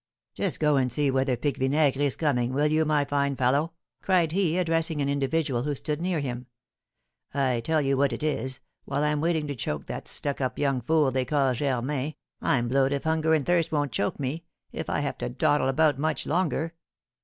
"Just go and see whether Pique Vinaigre is coming, will you, my fine fellow?" cried he, addressing an individual who stood near him. "I tell you what it is, while I'm waiting to choke that stuck up young fool they call Germain, I'm blowed if hunger and thirst won't choke me, if I have to dawdle about much longer.